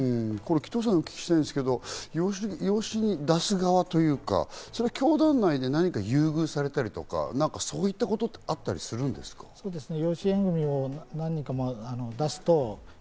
紀藤さん、養子に出す側というか、教団内で何か優遇されたりとか、そういったことってあったりするんですか？